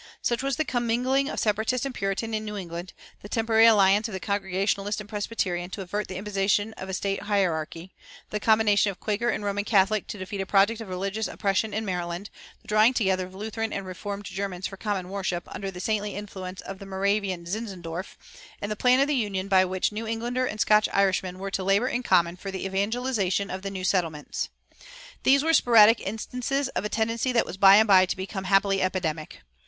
Such was the commingling of Separatist and Puritan in New England; the temporary alliance of Congregationalist and Presbyterian to avert the imposition of a state hierarchy; the combination of Quaker and Roman Catholic to defeat a project of religious oppression in Maryland; the drawing together of Lutheran and Reformed Germans for common worship, under the saintly influence of the Moravian Zinzendorf; and the "Plan of Union" by which New Englander and Scotch Irishman were to labor in common for the evangelization of the new settlements.[406:1] These were sporadic instances of a tendency that was by and by to become happily epidemic.